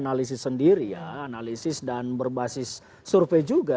analisis sendiri ya analisis dan berbasis survei juga